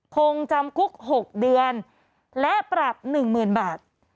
คงจำคุก๖เดือนและปรับ๑๐๐๐บาท